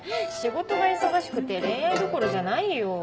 仕事が忙しくて恋愛どころじゃないよ。